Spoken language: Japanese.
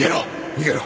逃げろ！